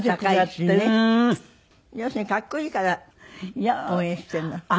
要するに格好いいから応援してるの？